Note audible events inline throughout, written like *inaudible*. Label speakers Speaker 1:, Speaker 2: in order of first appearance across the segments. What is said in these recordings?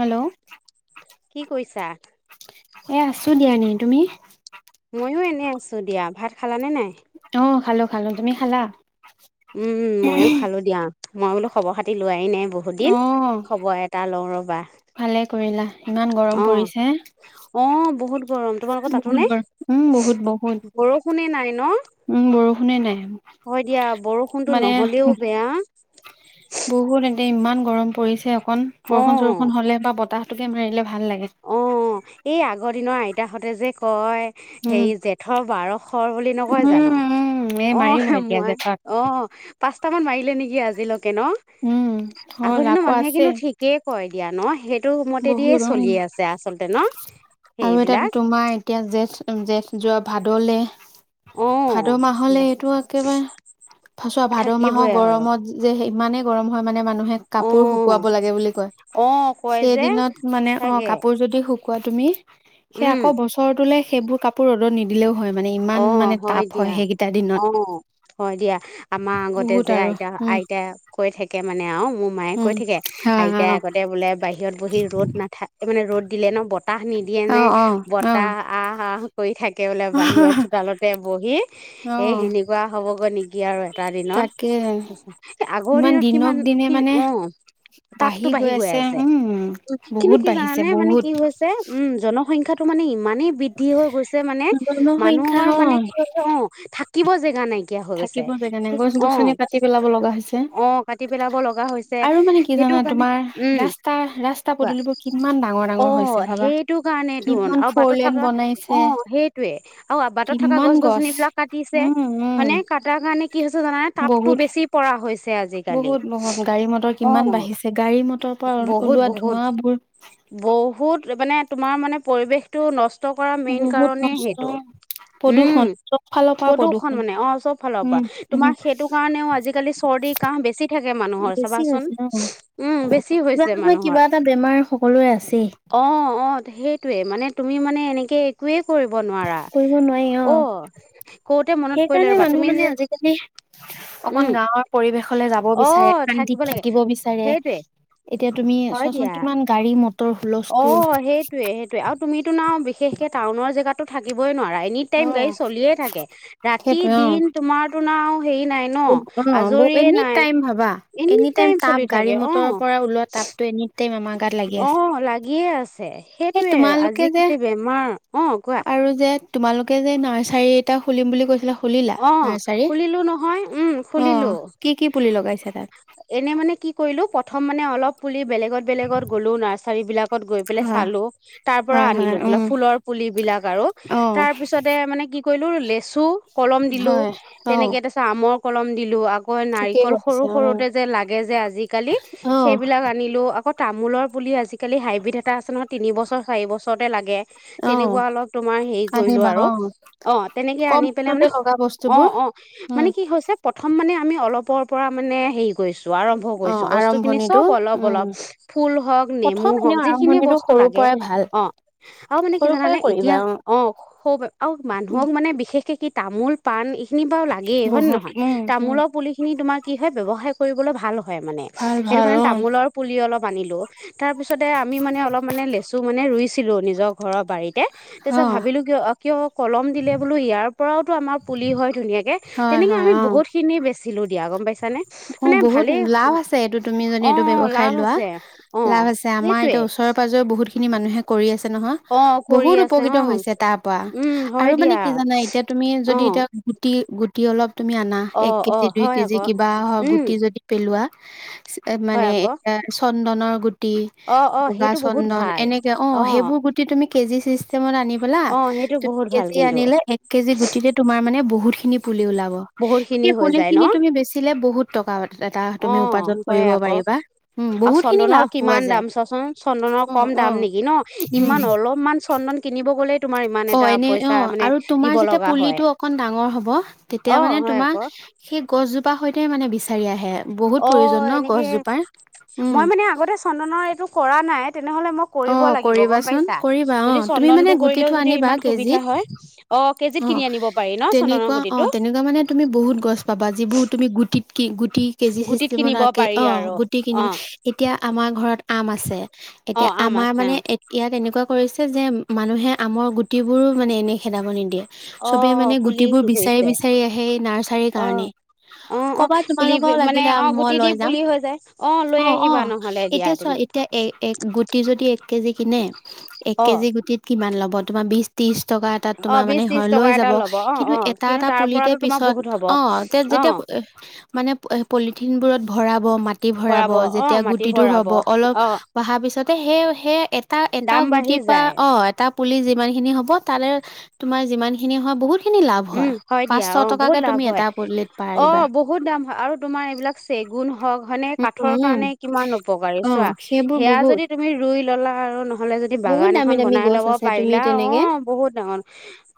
Speaker 1: Hello
Speaker 2: কি কৰিছা?
Speaker 1: এ', আছোঁ দিয়া এনে, তুমি?
Speaker 2: ময়ো এনে আছোঁ দিয়া। ভাত খালানে নাই?
Speaker 1: অ', খালোঁ, খালোঁ। তুমি খালা?
Speaker 2: উম, মইয়ো খালোঁ দিয়া। মই বোলো খবৰ খাতি লোৱাই নাই। বহুত দিন খবৰ এটা ল‌ওঁ ৰ।
Speaker 1: ভালে কৰিলা।
Speaker 2: অ', অ', বহুত গৰম তোমালোকৰ তাতো নে? বৰষুণে নাই ন'? হয়, দিয়া। বৰষুণতটো নহ'লেও বেয়া।
Speaker 1: ইমান গৰম পৰিছে *unintelligible* অকণ বৰষুণ, চৰষুণ হ'লে বা বতাহটো *inaudible* ভাল লাগে
Speaker 2: আগৰ দিনৰ, আইতাহঁতে যে কয় সেই জেঠৰ বাৰশৰ বুলি নকয় জানো? অ', মই, অ' পাঁচটামান মাৰিলে নেকি আজিলৈ তাকেই ন? আগৰ দিনৰ মানুহে কিন্তু ঠিকেই কৈ দিয়া ন, সেই টো মতে দিয়ে চলিয়ে আছে
Speaker 1: আৰু এটাত তোমাৰ, এতিয়া জেঠ, জেঠ যোৱা ভাদলে ভাদ মাহলৈ, এইটো একেবাৰে, ভাচোৱা ভাদ মাহৰ গৰমত যে, সেই ইমানেই গৰম হয়, মানে, মানু মানুহে কাপোৰ শুকুৱাব লাগে বুলি কয় সেইদিনত, মানে, অ', কাপোৰ যদি শুক কোৱা, তুমি সেই আকৌ বছৰটোলে সেইবোৰ কাপোৰ ৰ'দত নিদিলেও
Speaker 2: অহ হয় দিয়া। অহ, হয় দিয়া। আমাৰ আগতে যে আইতা আইতাই কৈ থাকে মানে আৰু মোৰ মায়ে কৈ থাকে, আইতাই আগতে বোলে বাহিৰত বহি ৰ'দ নাথাক-মানে ৰ'দ দিলে ন? বত বতাহ নিদিয়ে নে? বতাহ আহ আহ কৰি থাক একেবলে বাহিৰত চোতালতে বহি, এই সেনেকুৱা হ'ব হ'গৈ নেকি আৰু *inaudible* ৰ দিনত, সেই আগৰ দিনত কিমান, কি? অহ, তাপটো বাঢ়ি গৈ আছে। *unintelligible* খিনি কি জানানে মানে কি হৈছে, উম, জন সংখ্যাটো মানে ইম মানেই বৃদ্ধি হৈ গৈছে মানে মানুহৰ মানে কি হৈছে, অহ? থাক কিব জেগা নাই। কীয়া হৈ গৈছে। অ, অ কাটি পেলাব লগা হৈছে, সেইটো কাৰণে, ও। কোৱা। অ, সেইটো কাৰণে তোন, আও বাটত থাকা, অ সেইটোৱে অ, বাটত থকা গছ-গছনি বিলাক কাটিছে, মানে কাট তাৰ কাৰণে কি হৈছে জানানে, তাপটো বেছি পৰা হৈছ।
Speaker 1: বহুত-বহুত গাড়ী মটৰ কিমান বাঢ়িছে গাড়ী মটৰ পৰা ওলোৱা ধোঁৱাবোৰ
Speaker 2: তোমাৰ মানে পৰিৱেশটো নচ ত কৰা মেইন কাৰণেই সেইটো। উ, প্ৰদূষণ মানে, অ চব ফালৰ পৰা, তোমাৰ সেইটো কাৰণেও আজিকালি চৰ্দি কাহ বেছি থাকে মানুহৰ চাবাচোন। উম বেছি হৈছে মানুহৰ। অ, অ সেইটোয়ে মানে তুমি মানে এনেকে একোৱে কৰিব নোৱাৰা।
Speaker 1: কইব নোৱাৰি অ। সেইকাৰণে মানুহ মানে আজিকালি, অকন গাঁৱৰ পৰিৱেশলে যাব বিচাৰে, শান্তিত থাকিব বিচাৰে, এতিয়া তুমি চোৱাচোন কিমান গাড়ী ইমত
Speaker 2: অ', সেইটোৱে-সেইটোৱে আৰু তুমিতোনাও বিশেষকে টাউনৰ জেগাত থাকিবই নোৱা এনি টাইম গাড়ী চলিয়ে থাকে। ৰাতি দিন তোমাৰটোন আও ৰা
Speaker 1: *unintelligible* এনি টাইম ভাবা, এনি টাইম তাপ, গাড়ী মটৰৰ পৰা ওলোৱা তাপটো এনি টাই
Speaker 2: অ', লাগিয়ে আছে, সেইটোয়ে আজিকালি বেমাৰ
Speaker 1: আৰু যে তোমালোক এই যে নাৰ্চাৰী এটা খুলিম বুলি কৈছিলা
Speaker 2: অ, খুলিলো নহয়, ও খুলিলো। এনে মানে কি কৰিলো পট থম মানে অলপ পুলি বেলেগত-বেলেগত গলো নাৰ্চাৰী বিলাক গৈ পেলাই চালো, তাৰ পৰা আনিলো ধৰি লওক ফুলৰ পুলি বিলাক আৰু তাৰ পিছতে মানে কি *unintelligible* লেচু কলম দিলো। তেনেকে তাছ আমৰ কলম দিলো। আগ কৈ নাৰিকল সৰু সৰুতে যে লাগে যে আজিকালি, সেইবিলাক আনিলো আকৌ তামোলৰ পুলি আজিকালি হাইব্ৰীড এটা আছে নহয় তিনিবছৰ চাৰিবছৰতে লাগে। তেনেকুৱা অলপ তোমাৰ হেৰি কৰিলো আৰু, অ, তেনেকে আনি মানে অ অ মানে কি হৈছে, প্ৰথম মানে আমি অলপৰ পৰা মানে হেৰি কইছ আৰম্ভ কৰিছো, বস্তু খিনি চব অলপ অলপ। ফুল হওঁক, নেমু হওঁক, যিখিনি বস্তু লাগে, অ, আৰু মানে কি জানানে? এতিয়া অ', সৌ আও মানুহক মানে বিশেষ *inaudible* তামোল পাণ এই খিনি বা লাগেই হয় নে নহয়। তামোলৰ পুলি খিনি তোমাৰ কি হয় ব্যৱসায় কৰিবলৈ ভাল হয়। হয় মানে সেইটো মনে তামোলৰ পুলি অলপ *inaudible* তাৰ পিছতে আমি মানে, অলপ মানে, লেচু মানে ৰুইছিলো নিজক ঘৰৰ বাৰীতে। তাৰ পিছত ভাবিলো কিয় কলম দিলে বোলো ইয়াৰ তো আমাৰ পুলি হয় ধুনীয়াকে তেনেকে আমি বহুত খিনি বে *inaudible*
Speaker 1: অ' বহুত লাভ আছে এইটো তুমি যদি এইটো ব্যৱসায় লোৱা, লাভ আছে আমাৰ এতিয়া ওচৰে পাজৰে বহুত খিনি মানুহে কৰি আছে নহয়, বহুত উপকৃত হৈছে তাৰ পৰা, আৰু মানে কি জানা এতিয়া আমি যদি তাত গুটি গুটি অলপ তুমি আনা এক কেজি দুই কেজি। কিবা হৰ গুটি যদি পেলোৱা *inaudible* ননৰ গোট, এই বগা চন্দন এনেকে অ, সেইবোৰ গুটি তুমি কেজি চিছ *inaudible* *unintelligible* দুই কেজি আনিলে এক কেজি গুটিতে তুমাৰ মানে বহুত খিনি পুলি ওলাব। সেই পুলি খিনি তুমি বেছি বহুত টকা।
Speaker 2: অ' হয় আকৌ, আৰু চন্দনৰ কিমান দাম চোৱাচোন চন্দনৰ কম দাম নেকি ন ইমান অলপমান চন্দন কিনিব গ'লে
Speaker 1: অ' এনে অ' আৰু তোমাৰ যেতিয়া পুলিটো অকন ডাঙৰ হ'ব, তেতিয়া মানে তোমাৰ সেই গছজোপা সৈতে মানে বিচাৰি আহে।
Speaker 2: অ' এনেকে, মই মানে আগতে চন্দনৰ এইটো কৰা নাই। তেনেহলে মই কৰিব লাগিব গম পাইছা, যদি চন্দনতটো কৰিলেও য ইমান সুবিধা হয়। অ
Speaker 1: অ', তেনেকুৱা অ তেনেকুৱা মানে তুমি বহুত গছ পাবা যিবোৰ তুমি গু *inaudible* গুটি কেজি চিষ্টেমত *unintelligible* অ গুটি কিনিব এতিয়া আমাৰ ঘৰত আম আছে, এতিয়া আমাৰ মানে এ ইয়য়া তেনেকুৱা কৰিছে যে, মানুহে আমৰ গুটিবোৰো মানে এনেই খেদাব নিদিয়ে। চবে মানে গুটিবোৰ বিচাৰি বিচাৰি আহে এই নাৰ্চাৰীৰ কাৰণে। কবা তোমালোকৰ লাগিলে মই লৈ যাম অ', অ'। এতিয়া চোৱা এতিয়া এ, এ, গুটি যদি কেজি কিনে? এক কেজি গুটিত কিমান ল'ব? বৰ্তমান বিছ ত্ৰিছ টকা এটাত তোমাৰ মানে লৈ যাব কিন্তু এটা এটা পুলিতে পিছত অ', তে যেতিয়া মানে পলিঠিনবোৰ ভৰাব মা *unintelligible* ভৰাব যেতিয়া গুটিটো হ'ব অলপ বহা পিছত তে সেই সেই এটা এটা গুটিৰ পৰা অ', এটা পুলি জি যিমানখিনি হ'ব তালে তোমাৰ যিমানখিনি হোৱা বহুত
Speaker 2: উম হয় দিয়া অ', বহুত লাভ হয়। অ', বহুত দাম হয় আৰু তোমাৰ এইবিলাক চেগুন হওক হয়নে কাঠৰ কাৰণে কিমান উপকাৰী চোৱা, সেয়া যদি তুমি ৰুই ললা আৰু নহ নহ'লে যদি বাগান এখন বনাই ল'ব পাৰিলা, অ', বহুত ডাঙৰ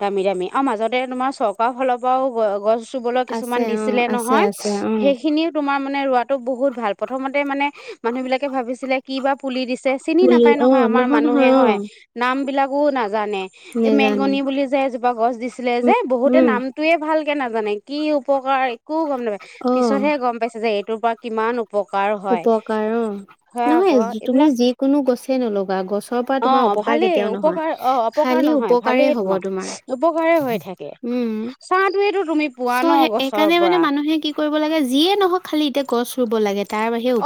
Speaker 2: দামী দামী আৰু মাজত তে তোমাৰ চৰকাৰফালৰ পৰাও গ-গছ চুবলৈ কিছুমান দিছিলে নহয়, সেইখিনিও তোমাৰ মানে *unintelligible* বহুত ভাল প্ৰথমতে মানে মানুহ বিলাকে ভাবিছিলে কি বা পুলি দিছে। চিনি নাপায় নহয় আমাৰ মানুহে হয় নাম বিলাক, *unintelligible* জানে এই মেগনি বুলি যে এজোপা গছ দিছে যে বহুতে নামটোৱে ভাল, ভালকে নাজানে কি উপকাৰ, একো গম নাপাই পিছতহে গম পাইছে যে, পৰা কিমান
Speaker 1: উপকাৰ অ নহয় তুমি যিকোনো গছো, নলগা গছ, গছৰ পৰা তোমাৰ অপকাৰ কেতিয়াও নহয় খালি উপকাৰেই হব তোমাৰ উম চ এইকাৰণে মানে মানুহে কি কৰিব লাগে যিয়ে নহওক খালি এতিয়া গছ ৰুব লাগে।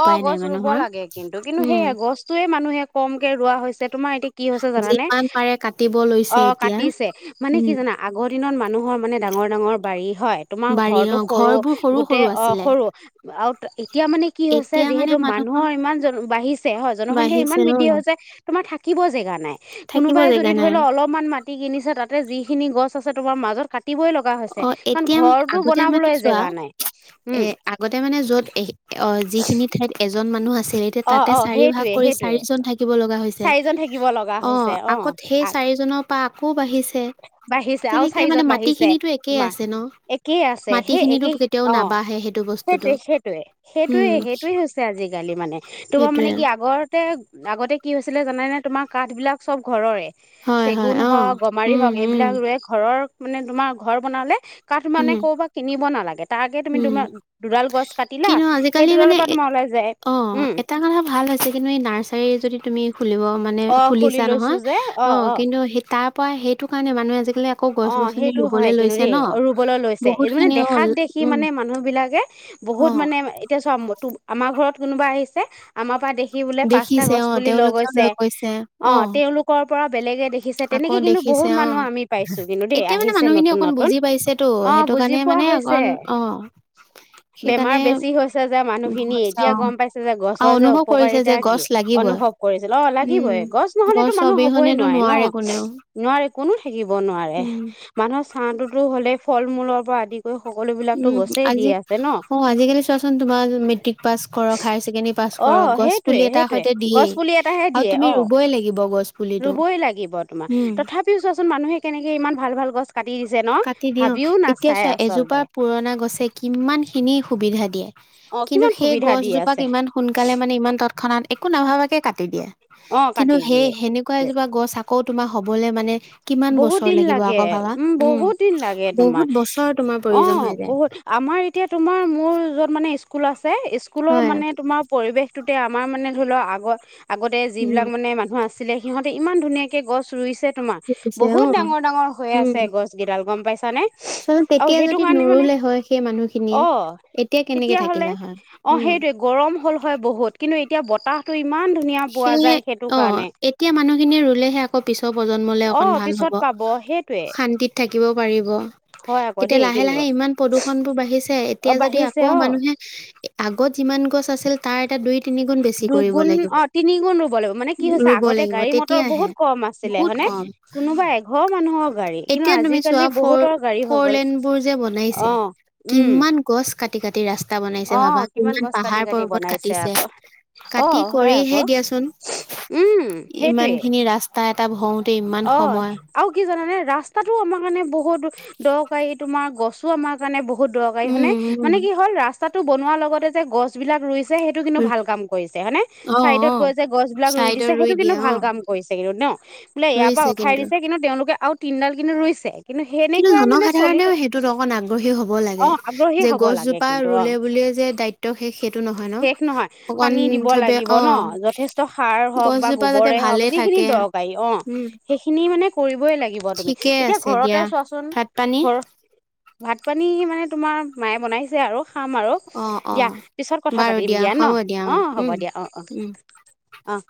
Speaker 2: অ' গছ ৰুব লাগে কিন্তু কিন্তু সেয়ে গছতুয়ে মানুহে কমকে ৰুৱা হৈছে, তোমাৰ এতিয়া কি হৈছে জানানে? অঁ কাটিছে মানে কি জানা আগত দিনত মানুহ মানে ডাঙৰ ডাঙৰ বাৰী হয় তোমাৰ ঘৰৰটো সৰু গোটেই অ সৰু আৰু এতিয়া মানে কি হৈছে যিহেতু মানুহৰ ইমান জন বাঢ়িছে হয় জনসংখ্যা ইমান বৃদ্ধি হৈছে তোমাৰ থাকিব জেগা নাই। কোনোবাই যদি ধৰি ল অলপমান মাটি কিনিছে তাতে যিখিনি গছ আছে তোমাৰ মাজত কা
Speaker 1: অ এতিয়া মানে আগতে মানে চোৱা এ আগতে মানে যত অ যি খিনি ঠাইত এজন মানুহ আছে এতিয়া তাতে চাৰি ভাগ কৰি চাৰিজন থাকিব লগা হৈছে, অ আগত সেই চাৰিজনৰ পৰা আকৌ বাঢ়িছে তেনেকে মানে মাটিখিনিত
Speaker 2: তোমাৰ একেই আছে সেই একেই অ, সেইটোৱে সেইটোৱে সেইটোৱে সেইটোৱে হৈছে আজিকালি মানে। তোমাৰ মানে কি আগৰতে আগতে কি হৈছিলে জানে নে? তোমাৰ কাঠ বিলাক চব ঘৰৰে। চেগুন হওক, গমাৰি হওক এইবিলাক ৰুৱে ঘৰৰ মানে তোমাৰ ঘৰ বনালে কাঠ মানে কৰো পা কিনিব নালাগে তাক তুমিম দুডাল গছ কাটিলা সেই দুডালৰ পৰা তোমাৰ ওলাই যায়
Speaker 1: তাৰ কথা ভাল হৈছে কিন্তু এই নাৰ্চাৰী যদি তুমি খুলিব মানে খুলিছা নহয় অ কিন্তু সেই তাপ পায় সেইটো কাৰণে মানুহেজিকি আকৌ গছ গছনি ৰুবলে লৈছে ন বহুত খিনি হ'ল
Speaker 2: কি মানে মানুহ বিলাকে বহুত মানে এতিয়া আমাৰ ঘৰত কোনোবা আহিছে আমাৰ পৰা সি বোলে পাঁচটা গছ পুলি ল গৈছে অ তেওঁলোকৰ পৰা বেলেগে দেখে দেখিছে তেনেকে কিন্তু বহুত মানুহ আমি
Speaker 1: এতিয়া মানে মানুহখিনি অকণ বুজি পাইছেতো সেইটো কাৰণে মানে অকণ অ সেইকাৰণে
Speaker 2: খিনি এতিয়া গম পাইছে যে গছৰ যে উপকাৰিতা কি অনুভৱ কৰিছিল অ লাগিবই গছ নহলেতো মানুহ হ'বই নোৱাৰে ন নোৱাৰে কোনো থাকিব নোৱাৰে মান টোতো হ'লে ফল মূলৰ পৰা আদি
Speaker 1: উম আজি অ আজিকালি চোৱাচোন তোমাৰ মেট্ৰিক পাছ কৰক হায়াৰ ছেকেণ্ডৰী পাছ কৰক গছ পুলি এটাৰ সৈতে দিয়েই আৰু তুমি ৰুবই লাগিব গছ পুলিটো উম
Speaker 2: মানুহে, কেনেকে ইমান ভাল ভাল গছ
Speaker 1: কাটি দিওঁ এতিয়া চোৱা এজোপা পুৰণা গছে কিমান খিনি সুবিধা, কিন্তু সেই গছজোপাক ইমান সোনকালে মানে ইমান তৎক্ষণাত একো নাভাবাকৈ কাটি দিয়ে। কিন্তু সেই সেনেকুৱা এজোপা গছ আ আকৌ তোমাৰ হ'বলৈ মানে
Speaker 2: বহুত দিন লাগে, উম। বহুত দিন লাগে তোমাৰ। অহ, বহুত আমাৰ এতিয়া তোমাৰ মোৰ ত মানে স্কুল আছ *unintelligible* স্কুলৰ মানে তোমাৰ পৰিৱেশ টোতে আমাৰ মানে ধৰিলও আগত আগতে যিবিলাক মানে মানুহ আছ আছিলে সিহঁতে ইমান ধুনীয়াকে গছ ৰুইছে। তোমাক বহুত ডাঙৰ ডাঙৰ হৈ আছে গছগেইডাল। ভাল গম পাইছ আৰু সেইটো কাৰণে মানে, অহ, তেতিয়া হ'লে? অহ, সেইটোৱে, গৰম হ'ল হয় বহুত কিন্তু এতিয়া বতাহটো
Speaker 1: সেয়ে অহ, এতিয়া মানুহখিনিহে ৰুলেহে আকৌ পিছৰ প্ৰজন্মলে অকন ভাল ভাল হব, শান্তিত থাকিব পাৰিব। কেতিয়া লাহে লাহে ইমান প্ৰদূষণটো বাঢ়ি পিছে এতিয়া যদি আকৌ মানুহে আগত যিমান গছ আছ আছিল তাৰ এটা দুই তিনিগুণ বেছি কৰিব লাগিব।
Speaker 2: তিনি গুণ ৰুব লাগিব, মানে কি হৈছে আগতে গাড়ী মটৰ বহুত কম আছিলে হয়ানে? কোনোবা এঘৰ মানুহৰ গাড়ী কিন্তু আজিকালি বহুতৰ গাড়ী হৈ গ'ল। অহ, উম।
Speaker 1: কাটি কাটি ৰাস্তা বনাইছে ভাবা? কিমান পাহাৰ পৰ্বত কাটিছে। কাটি কৰিহে দিয়াচোন ইমানখিনি ৰাস্তাত টাব হও
Speaker 2: অহ। আৰু কি জানানে ৰাস্তাতটো আমাৰ মানে বহুত দৰকাৰী। তোমাৰ গছো আমাৰ কাৰণে বহুত বহুত দৰকাৰী হয়নে? মানে কি হ'ল ৰাস্তাটো বনোৱাৰ লগতে যে গছ বিলাক ৰুই সেইটো কিন্তু ভাল কাম কৰিছে, হয়নে, চাইডত গৈ যে গছ বিলাক ৰুই দিছে, সেইটো কিন্তু ভাল কাম কৰিছে কিন্তু ন'। ইয়াৰ পৰা উঠাই দিছে, কিন্তু তেওঁলোক আৰু তিনডাল কিন্তু ৰুইছে।
Speaker 1: কিন্তু জনসাধাৰণেও সেইটোত অকন আগ্ৰহী হ'ব লাগে, যে গছজোপা ৰুলে বুলিয়ে যে দায়িত্ব শেষ সেইটো নহয় ন' অকন চবে অ', গছজোপা যাতে ভালেই থাকে।
Speaker 2: সেইখিনি মানে ব‌ই লাগিব তুমি, এতিয়া ঘৰতে চোৱাচোন ঘৰ ভাত পানী মানে তোমাৰ মায়ে বনাইছে আৰু। খাম আৰু দিয়া পিছত কথা পাতিম দিয়া ন' অ', হ'ব দিয়া অ', অ', অ।